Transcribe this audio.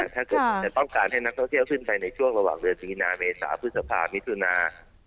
ถ้าเกิดจะต้องการให้นักท่องเที่ยวขึ้นไปในช่วงระหว่างเดือนมีนาเมษาพฤษภามิถุนา